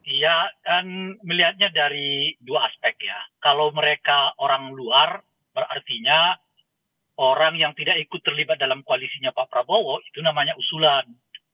iya kan melihatnya dari dua aspek ya kalau mereka orang luar berartinya orang yang tidak ikut terlibat dalam koalisinya pak prabowo itu namanya usulan